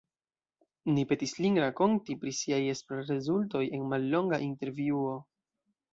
Ni petis lin rakonti pri siaj esplorrezultoj en mallonga intervjuo.